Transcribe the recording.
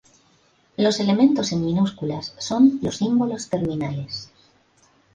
Los elementos en minúsculas son los "símbolos terminales".